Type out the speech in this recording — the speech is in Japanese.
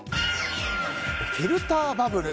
フィルターバブル。